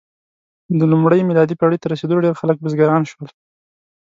د لومړۍ میلادي پېړۍ تر رسېدو ډېری خلک بزګران شول.